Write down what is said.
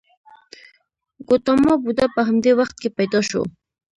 ګوتاما بودا په همدې وخت کې پیدا شو.